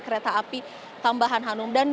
kereta api tambahan hanum dan